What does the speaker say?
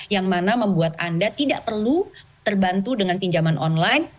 yang mana membuat anda tidak perlu terbantu dengan pinjaman online